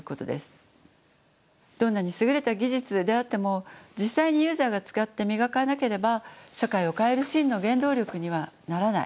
どんなにすぐれた技術であっても実際にユーザーが使って磨かなければ社会を変える真の原動力にはならない。